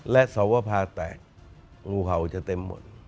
และสวภาแตกงูเห่าจะเต็มหมด